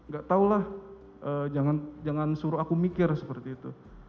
gak tahulah jangan suruh aku mikir seperti itu